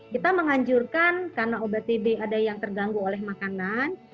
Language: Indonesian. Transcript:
kita menganjurkan karena obat tb ada yang terganggu oleh makanan